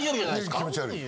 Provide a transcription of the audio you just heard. いや気持ち悪い。